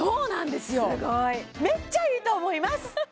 すごいめっちゃいいと思います！